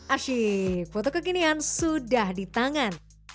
asyik foto kekinian sudah di tangan